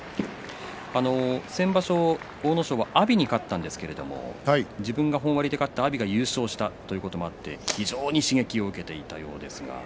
先場所、阿武咲は阿炎に勝ったんですけれども自分が本割で勝って阿炎が優勝したということもあって非常に刺激を受けていたようですが。